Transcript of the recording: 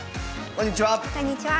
こんにちは。